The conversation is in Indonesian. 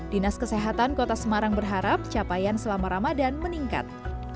dinas kesehatan kota semarang berharap capaian selama ramadan meningkat